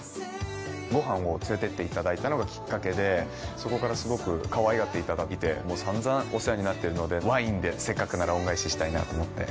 ご飯を連れてっていただいたのがきっかけでそこからすごくかわいがっていただいてもう散々お世話になっているのでワインでせっかくなら恩返ししたいなぁと思って。